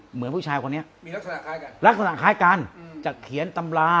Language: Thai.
เหมือนผู้ชายคนนี้มีลักษณะคล้ายกันลักษณะคล้ายกันจากเขียนตำรา